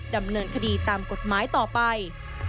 ดำเนินคดีตามกฎหมายต่อไป